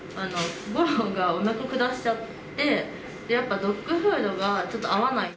ごろうがおなかを下しちゃって、やっぱドッグフードが合わない。